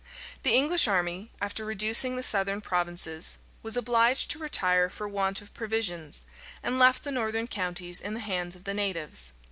The English army, after reducing the southern provinces, was obliged to retire for want of provisions; and left the northern counties in the hands of the natives.